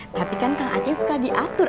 tapi kan kak a ceng suka diatur